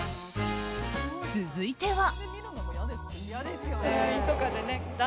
続いては。